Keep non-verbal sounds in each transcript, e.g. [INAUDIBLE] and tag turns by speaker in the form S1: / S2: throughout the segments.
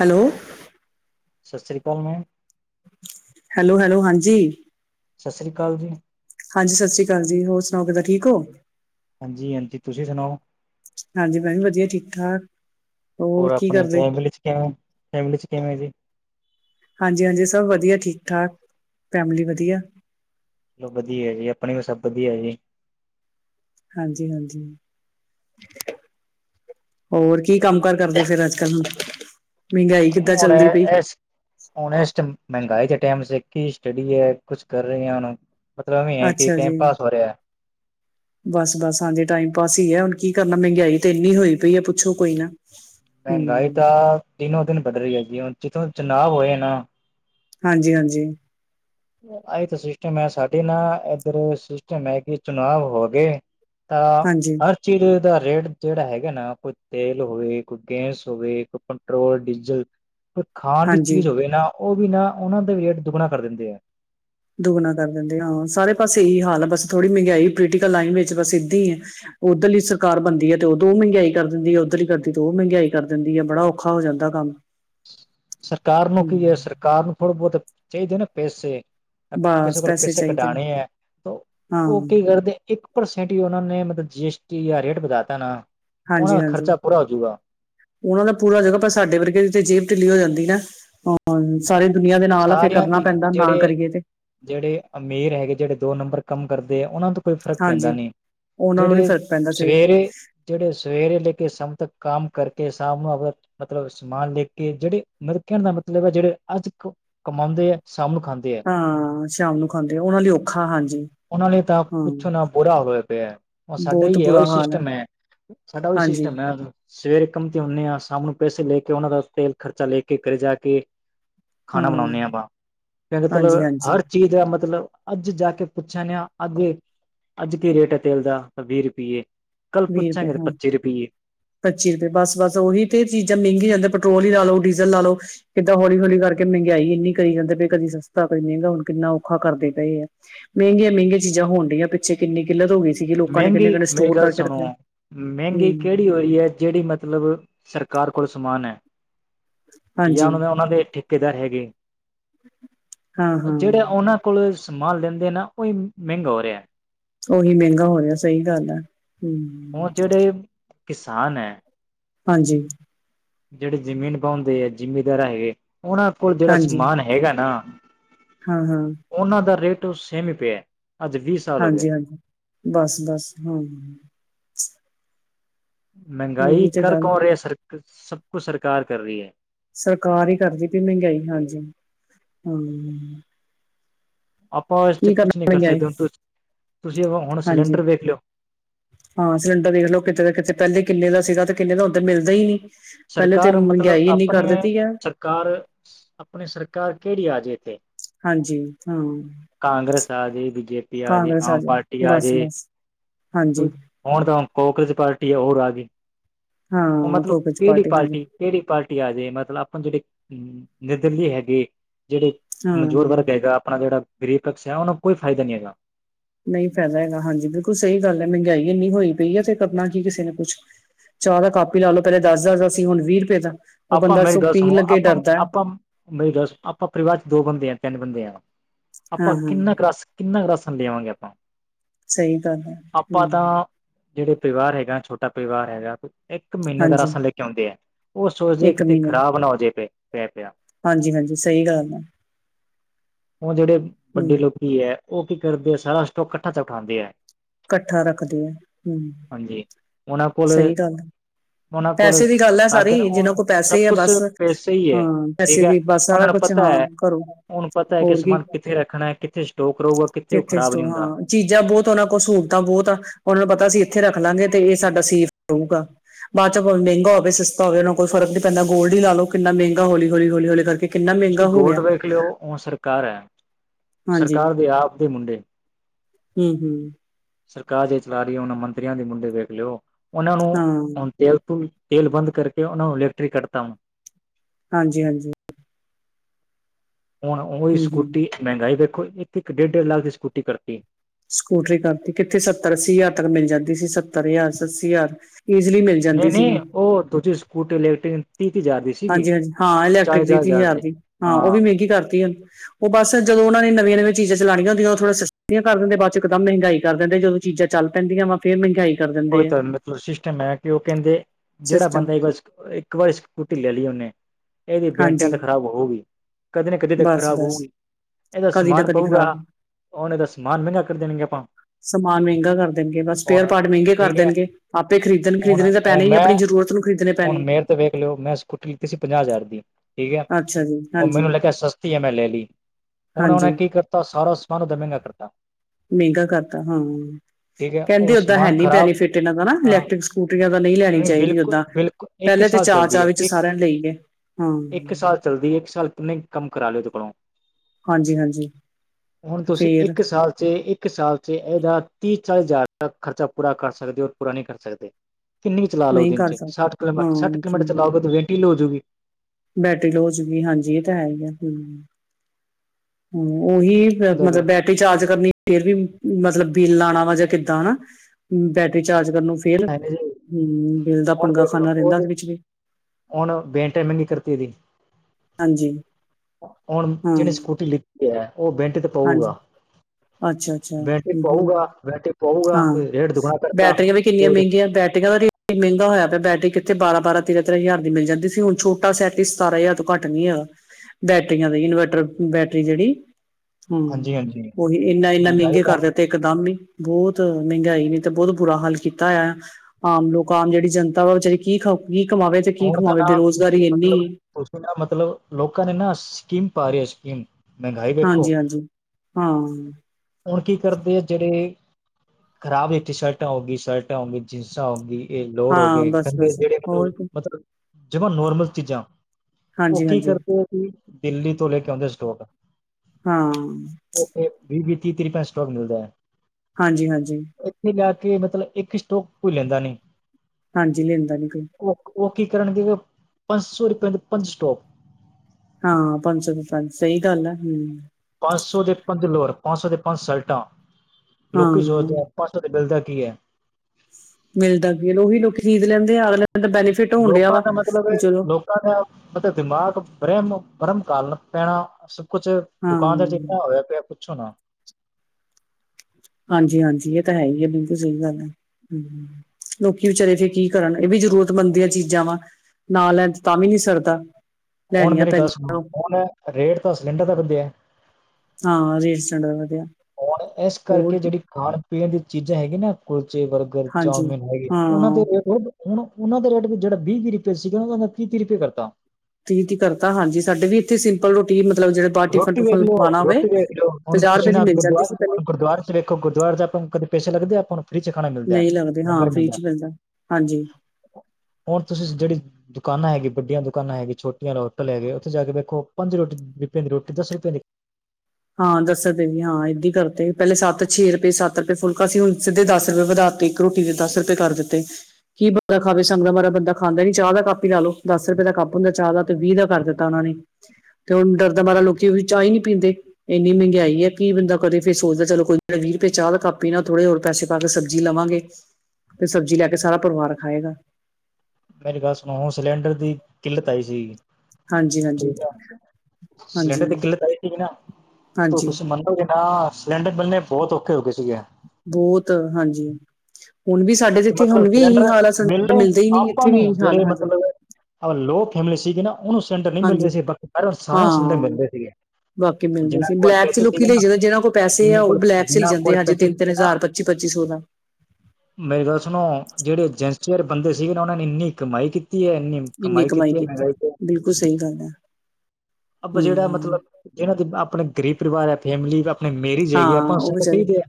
S1: Hello.
S2: ਸਤਿ ਸ਼੍ਰੀ ਅਕਾਲ ਮੈਮ
S1: ਹੈਲੋ ਹੈਲੋ ਹਾਂਜੀ।
S2: ਸਤਿ ਸ੍ਰੀ ਅਕਾਲ ਜੀ।
S1: ਹਾਂਜੀ ਸਤਿ ਸ੍ਰੀ ਅਕਾਲ ਜੀ ਹੋਰ ਸੁਣਾਓ ਕਿਦਾ ਠੀਕ ਇ?
S2: ਹਾਂਜੀ-ਹਾਂਜੀ ਤੁਸੀਂ ਸੁਣਾਓ?
S1: ਹਾਂਜੀ ਮੈਂ ਵੀ ਵਧੀਆ ਠੀਕ ਠਾਕ।
S2: ਹੋਰ ਆਪਣੀ ਫੈਮਲੀ ਚ ਕਿਵੇ ਫੈਮਲੀ ਚ ਕਿਵੇਂ ਜੀ
S1: ਹਾਂਜੀ-ਹਾਂਜੀ ਸਭ ਵਧੀਆ ਠੀਕ ਠਾਕ ਫੈਮਲੀ ਵਧੀਆ
S2: ਚਲੋ ਵਧੀਆ ਜੀ ਆਪਣੀ ਵੀ ਸਭ ਵਧੀਆ ਜੀ।
S1: ਹਾਂਜੀ-ਹਾਂਜੀ ਹੋਰ ਕੀ ਕੰਮ ਕਾਰ ਕਰਦੇ ਫਿਰ ਅੱਜ ਕੱਲ੍ਹ?
S2: ਹੁਣ ਐ ਏਸ ਹੁਣ ਅਸਟਮ ਮਹਿੰਗਾਈ ਦੇ ਟੈਮ ਚ ਇਕ ਈ ਸਟੱਡੀ ਐ ਕੁੱਛ ਕਰ ਰੇ ਆ ਹੁਣ ਮਤਲਬ ਏਵੇਂ ਐ ਕੀ
S1: ਅੱਛਾ
S2: ਟੈਮ
S1: ਜੀ।
S2: ਪਾਸ ਹੋ ਰਿਐ
S1: ਬਸ-ਬਸ ਹਾਂਜੀੇ ਟਾਈਮ ਪਾਸ ਹੀ ਐ ਹੁਣ ਕੀ ਕਰਨਾ ਮਹਿੰਗਾਈ ਤੇ ਇੰਨੀ ਹੋਈ ਪਈ ਐ ਪੁੱਛੋ ਕੋਈ ਨਾ
S2: ਮਹਿੰਗਾਈ
S1: ਹੂੰ,
S2: ਤਾਂ ਦਿਨੋ ਦਿਨ ਵੱਧ ਰੀ ਐ ਜੀ ਹੁਣ ਜਿੱਥੋਂ ਚਨਾਬ ਹੋਏ ਨਾ
S1: ਹਾਂਜੀ-ਹਾਂਜੀ
S2: ਆਏ ਤਾਂ ਸਿਸਟਮ ਐ ਸਾਡੇ ਨਾ ਏਧਰ ਸਿਸਟਮ ਐ ਕਿ ਚੁਨਾਵ ਹੋ ਗੇ ਤਾਂ ਹਰ ਚੀਜ਼ ਦਾ ਰੇਟ ਜੇੜਾ ਹੈਗਾ ਨਾ ਕੋਈ ਤੇਲ ਹੋਵੇ, ਕੋਈ ਗੈਸ ਹੋਵੇ, ਕੋਈ ਪੈਟਰੋਲ ਡੀਜ਼ਲ ਕੋਈ ਖਾਣ ਦੀ
S1: ਹਾਂਜੀ-ਹਾਂਜੀ।
S2: ਚੀਜ਼ ਹੋਵੇ ਨਾ ਓ ਵੀ ਨਾ ਓਨਾਂ ਦੇ ਰੇਟ ਦੁੱਗਣਾ ਕਰ ਦਿੰਦੇ ਆ।
S1: ਦੁਗਣਾ ਕਰ ਦਿੰਦੇ। ਆ ਹਾਂ! ਸਾਰੇ ਪਾਸੇ ਇਹੀ ਹਾਲ ਆ ਬਸ ਥੋੜ੍ਹੀ ਮਹਿੰਗਾਈ ਪੋਲੀਟੀਕਲ ਲਾਈਨ ਵਿੱਚ ਬਸ ਏਦਾਂ ਹੀ ਆ। ਉੱਧਰਲੀ ਸਰਕਾਰ ਬਣਦੀ ਹੈ ਤੇ ਉਦੋਂ ਮਹਿੰਗਾਈ ਕਰ ਦਿੰਦੀ ਹੈ । ਉੱਧਰਲੀ ਕਰਦੀ ਤੇ ਉਹ ਮਹਿੰਗਾਈ ਕਰ ਦਿੰਦੀ ਹੈ ਬੜਾ ਔਖਾ ਹੋ ਜਾਂਦਾ ਕੰਮ।
S2: ਸਰਕਾਰ ਨੂੰ
S1: ਹੂੰ
S2: ਕੀ ਹੈ। ਸਰਕਾਰ ਨੂੰ ਥੋੜੇ ਬਹੁਤ ਚਾਹੀਦੇ ਨਾ ਪੈਸੇ ਕਿਸੇ
S1: ਬਸ
S2: ਕੋਲ
S1: ਪੈਸੇ
S2: ਪਿੱਸੇ
S1: ਚਾਹੀਦੇ ਨੇ
S2: ਕਢਾਉਣੇ ਹੈ।
S1: ਹਾਂ
S2: ਉਹ ਕੀ ਕਰਦੇ, ਇੱਕ ਪਰਸੈਂਟ ਹੀ ਉਹਨਾਂ ਨੇ ਮਤਲਬ ਜੀ ਐਸਟੀ ਦਾ ਰੇਟ ਵਧਾਤਾਾ ਨਾ ਉਹਨਾਂ
S1: ਹਾਂਜੀ
S2: ਦਾ
S1: ਹਾਂਜੀ
S2: ਖਰਚਾ ਪੂਰਾ ਹੋਜੂਗਾ
S1: ਉਹਨਾਂ ਦਾ ਪੂਰਾ ਜਗ੍ਹਾ ਪਰ ਸਾਡੇ ਵਰਗੇ ਜਥੇ ਜੇਬ ਢਿੱਲੀ ਹੋ ਜਾਂਦੀ ਨਾ। ਅਹ ਸਾਰੇ
S2: ਸਾਰਿਆਂ ਦੀ। ਜਿਹੜੇ
S1: ਤੇ
S2: ਜਿਹੜੇ ਅਮੀਰ ਹੈਗੇ ਜਿਹੜੇ ਦੋ ਨੰਬਰ ਕੰਮ ਕਰਦੇ ਆ। ਉਹਨਾਂ ਤੋਂ ਕੋਈ ਫ਼ਰਕ ਪੈਂਦਾ
S1: ਹਾਂਜੀ
S2: ਨਹੀਂ।
S1: ਉਹਨਾਂ ਨੂੰ ਨੀ
S2: ਜਿਹੜੇ
S1: ਫ਼ਰਕ ਪੈਂਦਾ ਸਹੀ
S2: ਸਵੇਰੇ, ਜਿਹੜੇ ਸਵੇਰੇ ਲੈ ਕੇ ਸਮ ਤੱਕ ਕੰਮ ਕਰਕੇ। ਸਾਮ ਨੂੰ ਆਪ ਮਤਲਬ ਸਮਾਨ ਲੈਖ ਕੇ ਜਿਹੜੇ ਨਕਣ ਦਾ ਮਤਲਬ ਹੈ ਜਿਹੜੇ ਅੱਜ ਕਮਾਉਂਦੇ ਆ। ਸ਼ਾਮ ਨੂੰ ਖਾਂਦੇ ਆ
S1: ਹਾਂ। ਸ਼ਾਮ ਨੂੰ ਖਾਂਦੇ ਉਹਨਾ ਲਈ ਔਖਾ ਹਾਂਜੀ!
S2: ਉਹਨਾਂ ਲਈ ਤਾਂ
S1: ਹਾਂ
S2: ਕੁਛੋ ਨਾ ਬੁਰਾ ਹੋਆ ਪਿਆ ਉਹ ਸਾਡਾ
S1: ਬਹੁਤ
S2: ਹੀ
S1: ਬੁਰਾ
S2: ਹੈਹੀ
S1: ਹਾਲ
S2: ਸਿਸਟਮ ਹੈ ਸਾਡਾ ਵੀਹੀ
S1: ਹਾਂਜੀ
S2: ਸਿਸਟਮ ਹੈ । ਸਵੇਰੇ ਕੰਮ ਤੀ ਹੁੰਦੇ, ਆ ਸਾਮ ਨੂੰ ਪੈਸੇ ਲੈ ਕੇ ਉਹਨਾਂ ਦਾ ਤੇਲ ਖਰਚਾ ਲੈ ਕੇ । ਘਰੇ ਜਾ ਕੇ ਖਾਣਾ ਬਣਾਉਂਦੇ ਹਾਂ, ਵਾਂ ਮਤਲਬ
S1: ਹਾਂਜੀ ਹਾਂਜੀ
S2: ਹਰ ਚੀਜ਼ ਦਾ ਮਤਲਬ ਅੱਜ ਜਾ ਕੇ ਪੁੱਛਾਂ ਨ ਆ ਅੱਗੇ ਅੱਜ ਕੀ ਰੇਟ ਹੈ। ਤੇਲ ਦਾ ਵੀਹ ਰੁਪਈਏ। ਕੱਲ
S1: ਵੀਹ ਰੁਪਏ
S2: ਪੁੱਛਾਂਗੇ ਤਾਂ
S1: ਹਾਂ।
S2: ਪੱਚੀ ਰੁਪਈਏ
S1: ਪੱਚੀ ਰੁਪਏ ਬਸ ਬਸ ਉਹੀ ਤੇ ਚੀਜ਼ਾਂ ਮਹਿੰਗੀਆਂ ਜਾਂਦੀ । ਪੈਟਰੋਲ ਲਾ ਲਓ ਡੀਜ਼ਲ ਲਾ ਲਓ । ਕਿੱਦਾਂ ਹੌਲੀ ਹੌਲੀ ਕਰਕੇ ਮਹਿੰਗਾਈ ਇੰਨੀ ਕਰੀ ਜਾਂਦੇ, ਕਦੀ ਸਸਤਾ ਕਦੀ ਮਹਿੰਗਾ ਹੁਣ ਕਿੰਨਾ ਸਔਖਾ ਕਰਦੇ ਪਏ ਆ। ਮਹਿੰਗੀਆਂ ਮਹਿੰਗੀਆਂ ਚੀਜ਼ਾਂ ਹੋਣ ਡੀਆਂ ਪਿੱਛੇ ਕਿੰਨੀ ਕਿੱਲਤ ਹੋ ਗਈ। ਸੀਗੀ। ਲੋਕਾਂ ਨੇੰਨੇ
S2: ਮਹਿੰਗੀ
S1: ਕਿੰਨ
S2: ਮੇਰੀ
S1: ਸਟੋਰ
S2: ਗੱਲ
S1: ਕਰਕੇ ਰ
S2: ਸੁਣੋ ਮਹਿੰਗੀ ਕਿਹੜੀ ਹੋਈ ਹੈ । ਜਿਹੜੀ ਮਤਲਬ ਸਰਕਾਰ ਕੋਲ ਸਮਾਨ ਹੈ। ਜਾਂ
S1: ਹਾਂਜੀ
S2: ਉਹਨਾਂ ਦੇ ਉਹਨਾਂ ਦੇ ਠੇਕੇਦਾਰ ਹੈਗੇ।
S1: ਹਾਂ ਹਾਂ
S2: ਜਿਹੜਾ ਉਹਨਾਂ ਕੋਲ ਸਮਾਨ ਲੈਂਦੇ ਨਾ, ਉਹਹੀ ਮਹਿੰਗਾ ਹੋ ਰਿਹਾ।
S1: ਉਹੀ ਮਹਿੰਗਾ ਹੋ ਰਿਹਾ ਸਹੀ ਗੱਲ ਆ।
S2: ਉਹ ਜਿਹੜੇ ਕਿਸਾਨ ਹੈ।
S1: ਹਾਂਜੀ!
S2: ਜਿਹੜੇ ਜ਼ਮੀਨ ਪਾਉਂਦੇ ਆ, ਜ਼ਿਮੀਦਾਰਾਂ ਹੈਗੇ ਉਹਨਾਂ ਕੋਲ ਜਿਹੜਾ
S1: ਹਾਂਜੀ
S2: ਸਮਾਨ ਹੈਗਾ ਨਾ
S1: ਹਾਂ ਹਾਂ
S2: ਉਹਨਾਂ ਦਾ ਰੇਟ ਸੇਮੀ ਪਿਆ। ਅੱਜ ਵੀਹ ਸਾਲ ਹੋ ਗਏ
S1: ਹਾਂਜੀ ਹਾਂਜੀ ਬਸ ਬਸ ਹਾਂ!
S2: ਮਹਿੰਗਾਈ
S1: ਇਹੀ ਤੇ
S2: ਕਰ
S1: ਗੱਲ
S2: ਕੌਣ ਰਿਹਾ, ਸਰ ਸਭ ਕੁਛ ਸਰਕਾਰ ਕਰ ਰਹੀ ਹੈ।
S1: ਸਰਕਾਰ ਹੀ ਕਰਦੀ ਪਈ । ਮਹਿੰਗਾਈ ਹਾਂਜੀ ਹਮ!
S2: ਆਪਾਂ ਇਸ ਚ ਕੁਛ ਨੀ ਕਰ
S1: ਮਹਿੰਗਾਈ
S2: ਸਕਦੇ। ਹੁਣ ਤੁਸੀਂ ਹੁਣ
S1: ਹਾਂਜੀ
S2: ਸਿਲੰਡਰ ਵੇਖ ਲਿਓ
S1: ਹਾਂ! ਸਿਲੰਡਰ ਦੇਖ ਲਓ ਕਿਤੇ ਨਾ ਕਿਤੇ, ਪਹਿਲੇ ਕਿੰਨੇ ਦਾ ਸੀਗਾ ਤੇ ਕਿੰਨੇ ਦਾ ਉੱਧਰ ਮਿਲਦਾ ਹੀ ਨਹੀਂ। ਪਹਿਲੇ ਤੇ
S2: ਸਰਕਾਰ ਮਤਲਬ
S1: ਮਹਿੰਗਾਈ ਇੰਨੀ
S2: ਆਪਣੇ
S1: ਕਰ ਦਿੱਤੀ ਹੈ
S2: ਸਰਕਾਰ ਆਪਣੀ ਸਰ ਘ ਕਿੜੀ ਆ ਅਜੇ ਇਥੇ।
S1: ਹਾਂਜੀ ਹਾਂ।
S2: ਕਾਂਗਰਸ ਆ, ਜੇ ਬੀਜੇਪੀ ਆ ਜੇ
S1: ਕਾਂਗਰਸ
S2: ਆਮ
S1: ਜਾਓ
S2: ਪਾਰਟੀ ਆ
S1: ਬਸ
S2: ਜੇ।
S1: ਬਸ ਹਾਂਜੀ
S2: ਹੁਣ ਤਾਂ ਕਾਕ੍ਰੋਚ ਪਾਰਟੀ ਆ ਹੋਰ ਆ ਗਈ। ਉਹ
S1: ਹਾਂ ਖ
S2: ਮਤਲਬ
S1: ਕੁਝ
S2: ਕਿਹੜੀ ਪਾਰਟੀ, ਕਿਹੜੀ ਪਾਰਟੀ ਆ ਜਾੇ ਮਤਲਬ ਆਪਾਂ ਜਿਹੜੇ ਨਿਰਦਲੀ ਹੈਗੇ। ਜਿਹੜੇ
S1: ਹਾਂ
S2: ਕਮਜ਼ੋਰ ਵਰਗ ਹੈਗਾ ।ਆਪਣਾ ਜਿਹੜਾ ਗਰੀਬ ਕਕਸ਼ ਹੈ । ਉਹਨਾਂ ਨੂੰ ਕੋਈ ਫਾਇਦਾ ਨਹੀਂੀ ਹੈਗਾ।
S1: ਨਹੀਂ ਫਾਇਦਾ ਹੈਗਾ। ਹਾਂਜੀ, ਬਿਲਕੁਲ ਸਹੀ ਗੱਲ ਹੈ। ਮਹਿੰਗਾਈ ਇੰਨੀ ਹੋਈ ਪਈ ਹੈ ਤੇ ਕਰਨਾ ਕੀ ਕਿਸੇ ਨੇ ਕੁਛ। ਚਾਹ ਦਾ ਕਾਪੀ ਲਾ ਲਓ। ਪਹਿਲੇ ਦ ਹਾਰ ਦਾ ਸੀ ਹੁਣ ਵੀਹ ਰੁਪਏ ਦਾ। ਉਹ
S2: ਆਪਾਂ!
S1: ਬੰਦਾ
S2: ਮੇਰੀ
S1: ਸੋ
S2: ਗੱਲ
S1: ਪੀਣ
S2: ਸੁਣੋ
S1: ਲੱਗੇ
S2: ਆਪਾਂ,
S1: ਡਰਦਾ ਹੈ।
S2: ਆਪਾਂ ਮੇਰੀ ਗੱਲ ਸੁਣ ਆਪਾਂ ਪਰਿਵਾਰ ਚ ਦੋ ਬੰਦੇ ਹ ਤਨ ਬੰਦੇ ਆ
S1: ਹਾਂ
S2: ਆਪਾਂ
S1: ਹਾਂ
S2: ।ਕਿੰਨਾ ਕੁ ਰਾਸ ਕਿੰਨਾ ਕੁ ਰਾਸ਼ਨ ਲਵਾਂਗੇ ਆਪਾਂ।
S1: ਸਹੀ ਗੱਲ ਹੈ
S2: ਆਪਾਂ
S1: ਹਮ!
S2: ਤਾਂ ! ਜਿਹੜੇ ਪਰਿਵਾਰ ਹੈਗਾ, ਛੋਟਾ ਪਰਿਵਾਰ ਹੈਗਾ ਇੱਕ ਮਹੀਨੇ ਦਾ
S1: ਹਾਂਜੀ
S2: ਰਾਸ਼ਨ ਲੈ ਕੇ ਆਉਂਦੇ ਹੈ। ਉਹ ਸੋਚ, ਜੇ ਕਿਤੇ ਖਰਾਬ ਨਾ ਹੋ ਜਾੇ ਪ ਪੈ ਪਿਆ।
S1: ਹਾਂਜੀ-ਹਾਂਜੀ ਸਹੀ ਗੱਲ ਹੈ
S2: ਉਹ ਜਿਹੜੇ
S1: ਹਮ
S2: ਵੱਡੇ ਲੋਕੀ ਹੈ ਉਹ ਕੀ ਕਰਦੇ ਆ ਸਾਰਾ ਸਟੋਕ ਇਕੱਠਾ ਚ ਉਠਾਉਦੇ ਹੈ
S1: ਇਕੱਠਾ ਰੱਖਦੇ ਆ ਹਮ
S2: ਹਾਂਜੀ ਉਹਨਾਂ ਕੋਲ
S1: ਸਹੀ ਗੱਲ
S2: ਉਹਨਾਂ ਕੋਲ
S1: ਪੈਸੇ ਦੀ ਗੱਲ ਹੈ
S2: ਸਾਧਨ
S1: ਸਾਰੀ
S2: ਉਹ
S1: ਜਿੰਹਨਾਂ ਕੋਲ
S2: ਸਭ
S1: ਪੈਸੇ ਆ
S2: ਕੁਛ
S1: ਬਸ
S2: ਪੈਸੇ ਹੀ ਹੈ
S1: ਹਾਂ
S2: ਠੀਕ
S1: ਪੈਸੇ
S2: ਹੈ
S1: ਦੀ ਬਸ ਸਾਰਾ
S2: ਉਹਨਾਂ ਨੂੰ
S1: ਕੁਛ
S2: ਪਤਾ
S1: ਹਾਂ
S2: ਹੈ
S1: ਕਰੋ
S2: ਉਹਨੂੰ ਪਤਾ ਹੈ ਕਿ
S1: ਹੋਰਗੀ
S2: ਸਮਾਨ ਕਿੱਥੇ ਰੱਖਣਾ ਹੈ ਕਿੱਥੇ ਸਟੋਕ ਰਹੇਗਾ ਕਿੱਥੇ ਉਹ
S1: ਚਥੇ
S2: ਖ਼ਰਾਬ
S1: ਸਟੋ
S2: ਨਹੀਂ
S1: ਹਾਂ
S2: ਹੁੰਦਾ
S1: ਚੀਜ਼ਾਂ ਬਹੁਤ ਉਹਨਾਂ ਕੋਲ ਸਹੂਲਤਾਂ ਬਹੁਤ ਉਹਨਾਂ ਨੂੰ ਪਤਾ ਅਸੀਂ ਇੱਥੇ ਰੱਖ ਲਾਂਗੇ ਤੇ ਇਹ ਸਾਡਾ ਸੇਵ ਰਹੂਗਾ ਬਾਅਦ ਚ ਮਹਿੰਗਾ ਹੋਵੇ ਸਿਸਤਾ ਹੋਵੇ ਉਹਨਾਂ ਕੋਈ ਫਰਕ ਨੀ ਪੈਂਦਾ ਗੋਲਡ ਹੀ ਲਾਲੋ ਕਿੰਨਾ ਮਹਿੰਗਾ ਹੌਲੀ-ਹੌਲੀ-ਹੌਲੀ ਕਰਕੇ ਕਿੰਨਾ ਮਹਿੰਗਾ
S2: ਤੁਸੀਂ
S1: ਹੋ
S2: ਗੋਲਡ
S1: ਗਿਆ
S2: ਵੇਖ ਲਿਓ ਉਹਓ ਸਰਕਾਰ ਹੈ। ਸਰਕਾਰ ਦੇ ਆਪ ਦੇ ਮੁੰਡੇ
S1: ਹੂ ਹੂ
S2: ਸਰਕਾਰ ਜੇ ਚਲਾ ਰਹੀ ਹੈ ਉਹਨਾਂ ਮੰਤਰੀਆਂ ਦੇ ਮੁੰਡੇ ਵੇਖ ਲਿਓ ਉਹਨਾਂ ਨੂੰ
S1: ਹਾਂ
S2: ਹਣ ਤੇਲ ਤੇਲ ਬੰਦ ਕਰਕੇ ਉਹਨਾਂ ਨੂੰ ਇਲੈਕਟ੍ਰਿਕ ਕੱਢਤਾ ਵਾ
S1: ਹਾਂਜੀ-ਹਾਂਜੀ
S2: ਹੁਣ ਉਹੀ
S1: ਹੂੰ
S2: ਸਕੂਟੀ ਮਹਿੰਗਾਈ ਵੇਖੋ ਇੱਕ-ਇੱਕ ਡੇਢ-ਡੇਢ ਲੱਖ ਦੀ ਸਕੂਟੀ ਕਰਤੀ
S1: ਸਕੂਟਰੀ ਕਰਤੀ ਕਿੱਥੇ ਸੱਤਰ ਅੱਸੀ ਹਜ਼ਾਰ ਤੱਕ ਮਿਲ ਜਾਂਦੀ ਸੀ ਸੱਤਰ ਹਜ਼ਾਰ ਆਸੀ ਹਜ਼ਾਰ ਈਜ਼ਲੀ ਮਿਲ ਜਾਂਦੀ ਸੀ
S2: ਨਹੀਂ-ਨਹੀਂ
S1: ਹੁਣ
S2: ਉਹ ਤੁਸੀ ਸਕੂਟੀ ਇੈਕਟ੍ਰ
S1: ਹਾਂਜੀ-ਹਾਂਜੀ ਹਾਂ ਇਲੈਕਟ੍ਰਿਕ ਦੀ ਤੀ-ਤੀ ਹਜ਼ਾਰ ਦੀ ਹਾਂ। ਉਹ ਵੀ ਮਹਿੰਗੀ ਕਰਤੀ ਉਹ ਬਸ ਜਦੋਂ ਉਹਨਾਂ ਨੇ ਨਵੀਆਂ ਨਵਂ ਚੀਜ਼ਾਂ ਚਲਾਉਣੀਆਂ ਹੁੰਦੀਆਂ ਥੋੜਾ ਸਸਤੀਆਂ ਕਰ ਦਿੰਦੇ ਬਾਦ ਚ ਇੱਕੋ ਦਮ ਮਹਿੰਗਾਈ ਕਰ ਦਿੰਦੇ ਜਦੋਂ ਚੀਜ਼ਾ ਚੱਲ ਪੈਂਦੀਆਂ ਵਾ ਫੇ ਮਹਿੰਗਾਈ ਕਰ ਦਿੰਦੇ ਆ
S2: ਉਹੀਹਾ ਮ ਸਿਸਟਮ ਹੈ ਕਿ ਉਹ ਕਹਿੰਦੇ ਜਿਹੜਾ
S1: ਸਿਸਟਮ
S2: ਬੰਦਾ ਇੱਕ ਵਾਰ ਇੱਕ ਵਾਰੀ ਲੈ ਲਈ ਉਹਨੇ ਇਹਦੇ ਬੇਟਿਆਂ
S1: ਹਾਂਜੀ
S2: ਤੇ ਖਰਾਬ ਹੋਊਗੀ ਕਦੇ ਨਾ ਕਦੇ ਤੱਕ
S1: ਬਸ
S2: ਖ਼ਰਾਬ
S1: ਬਸ
S2: ਹੋਊਗੀ ਇਹਦਾ
S1: ਕਦੀ ਨਾ
S2: ਸਮਾਨ
S1: ਕਦੀ
S2: ਪਊਗਾ
S1: ਖ਼ਰਾਬ
S2: ਉਹਨੇ ਤਾਂ ਸਮਾਨ ਮਹਿੰਗਾ ਕਰ ਦੇਣਗੇ ਆਪਾਂ
S1: ਸਮਾਨ ਮਹਿੰਗਾ ਕਰ ਦੇਣਗੇ ਬਸ
S2: ਉਹ
S1: ਸਪੇਅਰ
S2: ਨਾ
S1: ਪਾਰਟ ਮਹਿੰਗੇ ਕਰ
S2: ਠੀਕ ਹੈ
S1: ਦੇਣਗੇ ਆਪੇ ਖਰੀਦਣ
S2: ਹੁਣ
S1: ਖਰੀਦਣੇ ਤਾਂ
S2: ਉਹ
S1: ਪੈਣੇ ਹੀ
S2: ਮੈਂ
S1: ਆਪਣੀ ਜ਼ਰੂਰਤ ਨੂੰ ਖਰੀਦਣੇ
S2: ਹੁਣ
S1: ਪੈਣੇ
S2: ਮੇਰ ਤੇ ਵੇਖ ਲਿਓ ਮੈਂ ਸਕੂਟੀ ਲਿੱਤੀ ਸੀ ਪੰਜਾਹ ਹਜ਼ਾਰ ਕਰਦੀ ਠੀਕ ਹੈ
S1: ਅੱਛਾ ਜੀ
S2: ਉਹ
S1: ਹਾਂਜੀ
S2: ਮੈਨੂੰ ਲੱਗਿਆ ਸਸਤੀ ।ਹੈ ਮੈਂ ਲੈ ਲਈ ਹੁਨ ਉਹਨੇ
S1: ਹਾਂਜੀ
S2: ਕੀ ਕਰਤਾ ਸਾਰਾ ਸਮਾਨ ਉਹ ਦਾ ਮਹਿੰਗਾ ਕਰਤਾ
S1: ਮਹਿੰਗਾ ਕਰਦਾ ਹਾਂ
S2: ਠੀਕ ਹੈ ਉਹ
S1: ਕਹਿੰਦੇ ਓਦਾਂ
S2: ਸਮਾਨ
S1: ਹੈਨੀ
S2: ਖ਼ਰਾਬ
S1: ਬੈਨੀਫਿਟ ਇਹਨਾਂ ਦਾ ਨਾ ਇਲੈਕਟ੍ਰਿਕ ਸਕੂਟਰ ਦਾ ਨਹੀਂ ਲੈਣੀ
S2: ਹਾਂ
S1: ਚਾਹੀਦੀ
S2: ਬਿਲਕੁਲ
S1: ਓਦਾਂ
S2: ਬਿਲਕੁਲ ਇੱਕ
S1: ਪਹਿਲੇ ਤੇ
S2: ਸਾਲ ਚੱਲਦੀ
S1: ਚਾਅ-ਚਾਅ
S2: ਹੈ
S1: ਵਿੱਚ
S2: ਇੱਕ
S1: ਸਾਰਿਆਂ ਨੂੰ ਲਈ ਗਏ ਹਾਂ
S2: ਇੱਕ ਸਾਲ ਚੱਲਦੀ ਇੱਕ ਸਾਲ ਕਿੰਨੇ ਕੰਮ ਕਰਾ ਲਿਓਦੇ ਕੋਲੋਂ
S1: ਹਾਂਜੀ ਹਾਂਜੀ
S2: ਹੁਣ ਤੁਸੀਸੀ
S1: ਫੇਰ
S2: ਇੱਕ ਸਾਲ ਚ ਇੱਕ ਸਾਲ ਚ ਇਹਦਾ ਤੀਹ ਜ਼ਿਆਦਾ ਖਰਚਾ ਪੂਰਾ ਕਰ ਸਕਦੇ ਔਰ ਪੂਰਾ ਨਹੀਂ ਕਰ ਸਕਦੇ ਕਿੰਨੀ ਕੁ ਚਲਾ ਲਓ
S1: ਨਹੀਂ
S2: ਦਿਨ
S1: ਕਰ
S2: ਚ
S1: ਸਕ
S2: ਸੱਠ ਕਿਲੋਮੀਟਰ
S1: ਹਾਂ
S2: ਸੱਠ
S1: ਜੀ,
S2: ਕਿਲੋਮੀਟਰ ਚਲਾਓਗੇ ਵੇਟੀ ਹੀ ਲੋ ਹੋਜੋਗੀ
S1: ਬੈਟਰੀ ਲੌ ਹੋਜੋਗੀ ਹਾਂਜੀ ਇਹ ਤਾਂ ਹੈ ਹੀ ਆ ਹੂ ਹੂ ਉਹੀ
S2: ਫਿਰ
S1: ਮਤਲਬ ਬੈਟਰੀ ਚਾਰਜ ਕਰਨੀ ਫਿਰ ਵੀ ਮਤਲਬ ਬਿੱਲ ਲਾਉਣਾ ਵਾ ਜਾਂ ਕਿੱਦਾਂ ਹਨਾ ਬੈਟਰੀ ਚਾਰਜ ਗਰ ਨੂੰ ਫੇਰ ਹਮ ਬਿਲ ਦਾ
S2: ਹੁਣ
S1: ਪੰਗਾ
S2: ਵੇਖ
S1: ਖਾਨਾ
S2: ਲਓ
S1: ਰਹਿੰਦਾ ਉਹਦੇ ਵਿੱਚ ਵੀ
S2: ਹੁਣ ਬੇਨ ਟੈਮਿੰਗ ਹੀ ਕਰਤੀ ਇਹਦੀ
S1: ਹਾਂਜੀ
S2: ਹੁਣ
S1: ਹਾਂ
S2: ਚਣੀ ਸਕੂਟੀ ਲਿ ਉਹ ਬਿੰਟ ਤੇ
S1: ਹਾਂਜੀ
S2: ਪਊਗਾ
S1: ਅੱਛਾ ਅੱਛਾ
S2: ਬੈਠੇ
S1: ਹਮ ਹਮ
S2: ਪਾਊਗਾ-ਬੈਠੇ ਪਾਊਗਾ ਰੇਟ ਦੁਗਣਾ ਕਰਤਾ ਤੇ
S1: ਇਨੀਆਂ
S2: ਉਹ
S1: ਮਹਿੰਗੀਆਂ ਬੈਟਰੀਆਂ ਦਾ ਮਹਿੰਗਾ ਹੋਇਆ ਬੈਰੀ ਕਿ ਇਥੇ ਬਾਰਾਂ-ਬਾਰਾਂ ਤੇਰਾਂ-ਤੇਰਾਂ ਹਜ਼ਾਰ ਦੀ ਮਿਲ ਜਾਂਦੀ ਸੀ ਹਣ ਛੋਟਾ ਸੈਟ ਸਤਾਰਾਂ ਹਜ਼ਾਰ ਤੋਂ ਘੱਟ ਨਹੀਂ ਆਗਾ ਬੈਟਰੀਆਂ ਦੇ ਇਨਵਰਟਰ ਬੈਟਰੀ ਜਿਹੜੀ ਹੂ
S2: ਹਾਂਜੀ ਹਾਂਜੀ
S1: ਉਹੀ ਇਨਾ-ਇੰਨਾ
S2: ਮਹਿੰਗਾਈ
S1: ਮਹਿੰਗੇ
S2: ਦਾ
S1: ਕਰ ਦਿੱਤੇ ਇੱਕ ਦਮ ਹੀ ਬਹੁਤ ਮਹਿੰਗਾਈ ਨੇ ਤੇ ਬਹੁਤ ਬੁਰਾ ਹੱਲ ਕੀਤਾ ਆਆ ਆਮ ਲੋਕ ਆਮ ਜਿਹੜੀ ਜਨਤਾ ਵਾ ਓਹ ਵਿਚਾਰੀ ਕੀ ਖਾਓ
S2: ਹੁਣ ਤਾਂ ਨਾ ਤੁਸੀਂ ਮਤਲਬ ਤੁਸੀਂ ਨਾ ਮਤਲਬ ਲੋਕਾਂ ਨੇ ਨਾ ਸਕੀਮ ਪਾ ਰਿ ਸਕੀਮ ਮਹਿੰਗਾਈ ਵੇਖੋ
S1: ਹਾਂਜੀ-ਹਾਂਜੀ ਹਾਂ
S2: ਹੁਣ ਕੀ ਕਰਦੇ ਆ ਜਿਹੜੇ ਖਰਾਬ ਟੀ ਸ਼ਰਟਾਂ ਹੋਗੀ, ਸ਼ਰਟਾਂ ਹੋਗੀ ਜੀਨਸਾਂ ਹੋਗੀ ਇਹ ਲੋਅਰ ਹੋ
S1: ਹਾਂ
S2: ਗਏ
S1: ਬਸ
S2: ਕਦੇ
S1: ਬਸ
S2: ਜਿਹੜੇ
S1: ਹੋਰ ਕੀ।
S2: ਮਤਲਬ-ਮਤਲਬ ਜਿਵੇ ਨੋਰਮਲ ਚੀਜ਼ਾਂ ਉਹ
S1: ਹਾਂਜੀ
S2: ਕੀ
S1: ਹਾਂਜੀ
S2: ਕਰਦੇ ਹੈ ਕਿ ਦਿੱਲੀ ਤੋਂ ਲੈ ਕੇ ਆਉਂਦੇ ਸਟੋਕ
S1: ਹਾਂ।
S2: ਵੀ -ਵੀ ਤੀਹ-ਤੀਹ ਰਪਏ ਸਟੋਕ ਮਿਲ ਜਾਏ ਗਾ।
S1: ਹਾਂਜੀ -ਹਾਂਜੀ
S2: ਕੇ ਮਤਲਬ ਇੱਕ ਸਟੋਕ ਕੋਈ ਲੈਂਦਾ ਨਹੀਂ
S1: ਹਾਂਜੀ। ਲੈਂਦਾ ਨੀ ਕੋਈ
S2: ਉਹ ਉਹ ਕੀ ਕਰਨਗੇ ਪੰਜ ਸੌ ਰੁਪਏ ਦੇ ਪੰਜ ਸਟੋਪ
S1: ਹਾਂ। ਪੰਜ ਸੌ ਤੋਂ ਪੰਜ ਸਹੀ ਗੱਲ ਹੈ। ਹੂ
S2: ਪੰਜ ਸੌ ਦੇ ਪੰਜ ਲੋਅਰ, ਪੰਜ ਸੌ ਤੇ ਪੰਜ ਸਲਟਾਂ,
S1: ਹਾਂ
S2: ਲੋਕੀ ਸੋਚਦੇ ਪੰਜ ਸੌ ਤੇ ਮਿਲਦਾ ਕੀ ਹੈ
S1: ਮਿਲਦਾ ਕੀ ਉਹੀ ਲੋਕ ਖਰੀਦ ਲੈਂਦੇ ਆ ਦਾ ਬੈਨੀਫਿਟ ਹੋਣ ਡਿਆ
S2: ਲੋਕਾਂ
S1: ਵਾ
S2: ਦਾ ਮਤਲਬ
S1: ਵੀ ਚਲੋ
S2: ਲੋਕਾਂ ਨੇ, ਆਪ ਮਤਲਬ ਦਿਮਾਗ ਬ੍ਰਹਿਮ ਬ੍ਰਹਮ ਕਾਲਨ ਪੈਣਾ ਸਭ ਕੁਛ
S1: ਹਾਂ
S2: ਦੁਕਾਨਦਾਰ ਏਦਾਂ ਹੋਇਆ ਪਿਆ ਕੁ ਪੁੱਛੋ ਨਾ
S1: ਹਾਂਜੀ- ਹਾਂਜੀ, ਇਹ ਤਾਂ ਹੈ ਹੀ ਆ, ਬਿਲਕੁਲ ਸਹੀ ਗੱਲ ਹੈ ਲੋਕੀ ਵਿਚਾਰੇ ਫਿਰ ਕੀ ਕਰਨ, ਇਹ ਵੀ ਜ਼ਰੂਰਤਮੰਦ ਦੀਆਂ ਚੀਜ਼ਾਂ ਵਾ, ਨਾ ਲੈਣ ਤਾਂ ਵੀ ਨਹੀਂ ਸਰਦਾ
S2: ਹੁਣ
S1: ਲੈਣੀਆਂ
S2: ਮੇਰੀ ਗੱਲ ਸੁਣੋ
S1: ਪੈਂਦੀਆਂ
S2: ਹੁਣ ਰੇਟ ਤਾਂ, ਸਿਲੰਡਰ ਦਾ ਵਧਿਆ ।
S1: [UNINTELLIGIBLE] ਵਧੀਆ
S2: ਹੁਣ ਇਸ
S1: ਹੋਰ
S2: ਕਰਕੇ
S1: ਕੀ
S2: ਜਿਹੜੀ ਖਾਣ -ਪੀਣ ਦੀ ਚੀਜ਼ਾਂ ਹੈਗੀ ਨਾ ਕੁ ਕੱਚੇ ਬਰਗਰ
S1: ਹਾਂਜੀ
S2: ਚਾਮਿਨ ਹੈਗੇ, ਉਹਨਾਂ ਦੇ
S1: ਹਾਂ
S2: ਰੇਟ ਹੁਣ ਉਹਨਾਂ ਦੇ ਰੇਟ ਵੀ ਜਿਹੜਾ ਵੀਹ- ਵੀਹ ਰੁਪਏ ਸੀਗਾ ਉਹਨਾਂ ਦਾ ਤੀਹ-ਤੀਹ ਰੁਪਏ ਕਰਤਾ
S1: ਤੀਹ ਤੀਹ ਕਰਤਾ ਹਾਂਜੀ ਸਾਡੇ ਵੀ ਇੱਥੇ ਸਿੰਪਲ ਰੋਟੀ ਮਤਲਬ ਜਿਹੜੇ ਬਾਹਰ ਟਿਫਨ
S2: ਰੋਟੀ
S1: ਟੂਫਨ
S2: ਵੇਖ ਲਓ,
S1: ਲਵਾਉਣਾ ਹੋਵੇ
S2: ਰੋਟੀ ਵੇਖ ਲਓ, ਹੁਣ
S1: ਪੰਜਾਹ
S2: ਤੁਸੀਂ
S1: ਰੁਪਏ ਦੀ
S2: ਨਾ
S1: ਮਿਲ ਜਾਂਦੀ ਸੀ ਪਹਿਲੇ
S2: ਗੁਰਦੁਆਰੇ ਚ ਵੇਖੋ ਗੁਰਦੁਆਰੇ ਚ ਆਪਾਂ ਕਦੇ ਪੈਸੇ ਲੱਗਦੇ ਆ, ਆਪਾ ਨੂ ਫ੍ਰਰੀ ਚ ਖਾਣਾ ਮਿਲਦਾ
S1: ਨਹੀਂ ਲੱਗਦੇ ਹਾਂ
S2: ਲੰਗਰ
S1: ਫ੍ਰੀ
S2: ਮਿਲਦੇ
S1: ਚ ਮਿਲਦਾ ਹਾਂਜੀ
S2: ਹੁਣ ਤੁਸੀਂ ਜਿਹੜੀ ਦੁਕਾਨਾਂ ਹੈਗੀਆਂ ਵੱਡੀਆਂ ਦੁਕਾਨਾਂ ਹੈਗੀਆਂ ਛੋਟੀਆਂ ਵਾਲ ਹੋਟਲ ਹੈਗੇ ਉੱਥੇ ਜਾ ਕੇ ਵੇਖੋ ਪੰਜ ਰੋਟੀ ਰੋਟੀ ਦਸ ਰੁਪਏ ਨ
S1: ਹਾਂ ਦੱਸ ਰੁਪਏ ਵੀ ਹਾਂ ਏਦਾਂ ਈ ਕਰਤੇ, ਪਹਿਲੇ ਸੱਤ, ਛੇ ਰੁਪਏ, ਸੱਤ ਰੁਪਏ ਫੁਲਕਾ ਸੀ, ਹੁਣ ਸਿੱਧੇ ਦਸ ਰੁਪਏ ਵਧਾ ਤੇ ਇੱਕ ਰੋਟੀ ਦੇ ਦਸ ਰੁਪਏ ਕਰ ਦਿੱਤੇ, ਕੀ ਬੰਦਾ ਖਾਵੇ ਸੰਗਦਾ ਮਾਰਾ ਬੰਦਾ ਖਾਂਦਾ ਨੀ, ਚਾਹ ਦਾ ਕੱਪ ਪੀ ਈ ਲਾ ਲੋ ਦਸ ਰੁਪਏ ਦਾ ਕਪ ਉਹਨਾਂ ਚਾਹ ਦਾ ਤੇ ਵੀਹ ਦਾ ਕਰ ਦਿੱਤਾ ਉਹਨਾਂ ਨੇ, ਤੇ ਹੁਣ ਡਰਦਾ ਮਾਰਾ ਲੋਕੀ ਚਾਹ ਹੀ ਨਹੀ ਪੀਂਦੇ ਇੰਨੀ ਮਹਿੰਗਾਈ ਹੈ ਕੀ ਬੰਦਾ ਕਦੇ ਫੇਰ ਸੋਚਦਾ ਚਲੋ ਕੋਈ ਨਾ ਵੀਹ ਰੁਪਏ ਚਾਹ ਦਾ ਕੱਪ ਪੀਵਾ ਥੋੜੇ ਹੋਰ ਪੈਸੇ ਪਾ ਕੇ ਸਬਜ਼ੀ ਲਵਾਂ। ਗੇ ਤੇ ਸਬਜ਼ੀ ਲੈ ਕੇ ਸਾਰਾ ਪਰਿਵਾਰ ਖਾਏਗਾ
S2: ਮੇਰੀ ਗੱਲ ਸੁਣੋ ਸਿਲੰਡਰ ਦੀ ਕਿੱਲਤ ਆਈ ਸੀਗੀ
S1: ਹਾਂਜੀ ਹਾਂਜੀ
S2: ਠੀਕ ਆ, ਸਿਲੰਡਰ
S1: ਹਾਂਜੀ
S2: ਤੇ ਕਿੱਲਤ ਆਈ ਸੀ ਨਾ ਤ
S1: ਹਾਂਜੀ
S2: ਤੁਸੀਂ ਮੰਨੋਗੇ ਨਾ ਸਿਲੰਡਰ ਮਿਲਣੇ ਬਹੁਤ ਔਖੇ ਹੋ ਗਏ ਸੀਗੇ
S1: ਬਹੁਤ ਹਾਂਜੀ ਹੁਣ ਵੀ ਸਾਡੇ
S2: ਤੇ
S1: ਜਿੱਥੇ
S2: ਮਤਲਬ
S1: ਹੁਣ ਵੀ
S2: ਸਿਲੰਡਰ
S1: ਇਹੀ ਹਾਲ ਆ
S2: ਮਿਲਨੇ
S1: ਮਿਲਦੇ ਹੀ ਨਹੀਂ
S2: ਆਪਾਂ
S1: ਇੱਥੇ
S2: ਨੂੰ
S1: ਵੀ ਇਹੀ ਹਾਲ
S2: ਜਿਹੜੇ
S1: ਹਾਂਜੀ
S2: ਮਤਲਬ ਆ ਲੋਕ ਫੈਮਿਲੇ ਸੀਗੇ ਨਾ, ਉਹਨੂੰ ਸਿਲੰਡਰ ਨਹੀਂ ਮਿਲ ਰਹੇ
S1: ਹਾਂਜੀ
S2: ਸੀ ਬਾਕੀ ਸਾਰਿਆਂ ਸਿਲੰਡਰ ਮਿਲ ਰਹੇ ਸੀਗੇ
S1: ਬਾਕੀ ਮਿਲਦੇ
S2: ਜਿਹਨਾਂ
S1: ਸੀ,
S2: ਕੋਲ
S1: ਬਲੈਕ ਚ
S2: ਪੈਸੇ
S1: ਲੋਕੀ
S2: ਸੀਗੇ
S1: ਲਈ
S2: ਨਾ
S1: ਜਾਂਦੇ ਜਿਹਨਾਂ ਕੋਲ ਪੈਸੇ
S2: ਜਿਨਾਂ
S1: ਆ, ਉਹ
S2: ਕੋਲ
S1: ਬਲੈਕ ਚ ਲਈ
S2: ਜਿਨਾਂ
S1: ਜਾਂਦੇ
S2: ਕੋਲ
S1: ਹਜੇ
S2: ਪੈਸੇ
S1: ਤਿੰਨ- ਤਿੰਨ
S2: ਸੀਗੇ ਨਾ
S1: ਹਜ਼ਾਰ ਪੱਚੀ ਪੱਚੀ ਪੱਚੀ ਸੌ ਦਾ
S2: ਮੇਰੀ ਗੱਲ ਸੁਣੋ, ਜਿਹੜੇ ਏਜੰਸੀ ਬੰਦੇ ਸੀਗੇ ਨਾ ਉਹਨਾਂ ਨੇ ਇੰਨੀ ਕਮਾਈ ਕੀਤੀ ਕੀਤੀ ਹੈ ਇੰਨੀ ਕਮਾਈ ਕੀਤੀ ਹੈ, ਮਹਿੰਗਾਈ ਕੀਤੀ
S1: ਬਿਲਕੁਲ ਸਹੀ ਗੱਲ ਹੈ
S2: ਜਿਹੜਾ
S1: ਹਮ
S2: ਮਤਲਬ ਜਿਨਾਂ ਦੇ ਆਪਣੇ ਗਰੀਬ ਪਰਿਵਾਰ ਹੈ, ਫੈਮਿਲੀ ਨਹੀਂ ਮੇਰੀ ਜਾ
S1: ਹਾਂ
S2: ਹੈਗੀ, ਆਪਾਂ
S1: ਉਹ ਵਿਚਾਰੇ
S2: ਕਹੀਦੇ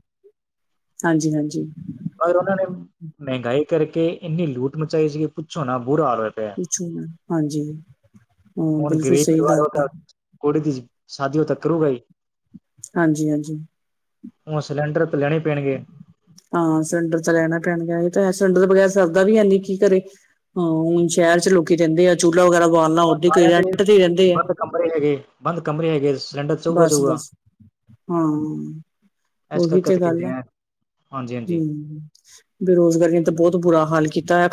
S1: ਹਾਂਜੀ ਹਾਂਜੀ
S2: ਉਹਨਾਂ ਨੇ ਮਹਿੰਗਾਈ ਕਰਕੇ ਇੰਨੀ ਲੂਟ ਮਚਾਈ ਸੀਗੀ ਪੁੱਛੋ ਨਾ ਬੁਰਾ ਹਾਲ ਹੋਇਆ ਪਿਆ,
S1: ਪੁੱਛੋ ਨਾ ਹਾਂਜੀ ਹਾਂ
S2: ਹੁਣ
S1: ਬਿਲਕੁਲ
S2: ਗਰੀਬ
S1: ਸਹੀ
S2: ਪਰਿਵਾਰ
S1: ਗੱਲ ਹੈ,
S2: ਕੁੜੀ ਦੀ ਸ਼ਾਦੀ ਹੋ ਤਾਂ ਕਰੂਗਾ ਈ
S1: ਹਾਂਜੀ -ਹਾਂਜੀ।
S2: ਉਹ ਸਿਲੰਡਰ ਤੇ ਲੈਣੇ ਪੈਣਗੇ
S1: ਹਾਂ ਸਲੰਡਰ ਤਾਂ ਲੈਣਾ ਪੈਣਾ, ਤੇ ਸਲੰਡਰ ਬਗੈਰ ਸਰਦਾ ਵੀ ਹੈਨੀ। ਕੀ ਕਰੇ? ਅਹ ਹੁਣ ਸ਼ਹਿਰ ਚ ਲੋਕੀ ਰਹਿੰਦੇ ਆ ਚੂਲ ਲਾ ਵਗੈਰਾ ਬਾਲਣਾ।
S2: ਹੁਣ
S1: ਉਹਦੇ ਕਈ
S2: ਸਾਰਿਆਂ ਦੇ
S1: ਰੇਂਟ ਤੇ ਹੀ ਰਹਿੰਦੇ ਏ।
S2: ਬੰਦ ਕਮਰੇ ਹੈਗੇ ਬੰਦ ਕਮਰੇ ਹੈਗੇ ਸਿਲੰਡਰ ਚਊਗਾ
S1: ਬਸ
S2: ਚਊਗਾ
S1: -ਬਸ, ਹਾਂ
S2: ਇਸ
S1: ਉਹੀ
S2: ਕਰਕੇ
S1: ਤੇ
S2: ਤਾਂ ਕਹਿ
S1: ਗੱਲ ਹੈ।
S2: ਰਹੇ ਆ ਹਾਂਜੀ-ਹਾਂਜੀ।
S1: ਹਮ, ਬੇਰੋਜ਼ਗਾਰੀ ਨੇ ਤੇ ਬਹੁਤ ਬੁਰਾ ਹਾਲ ਕੀ